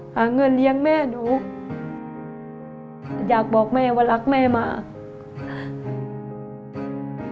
หาเงินเลี้ยงแม่หนูอยากบอกแม่ว่ารักแม่มาก